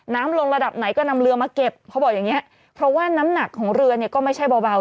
ลงระดับไหนก็นำเรือมาเก็บเขาบอกอย่างเงี้ยเพราะว่าน้ำหนักของเรือเนี่ยก็ไม่ใช่เบา